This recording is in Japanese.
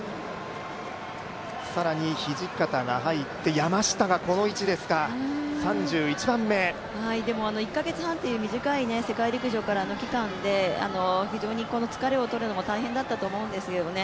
更に土方が入って、山下がこの位置ですか、１か月半という短い世界陸上からの期間で非常に疲れを取るのも大変だったと思うんですよね。